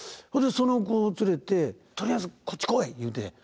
それでその子を連れて「とりあえずこっち来い」言うて。